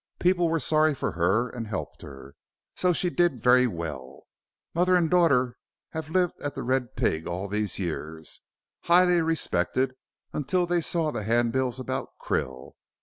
People were sorry for her and helped her, so she did very well. Mother and daughter have lived at 'The Red Pig' all these years, highly respected, until they saw the hand bills about Krill.